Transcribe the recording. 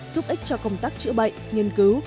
giúp ích cho công tác chữa bệnh nghiên cứu